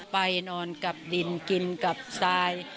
ไปนอนกับดินกินกับทราย